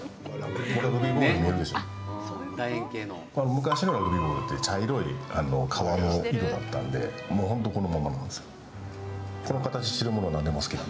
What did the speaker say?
昔のラグビーボールって茶色い皮の色だったんで本当、このままなんですよ。